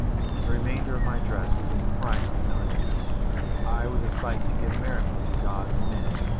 The remainder of my dress was as primal and uncouth. I was a sight to give merriment to gods and men.